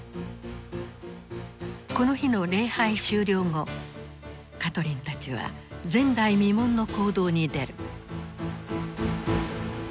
この日の礼拝終了後カトリンたちは前代未聞の行動に出る。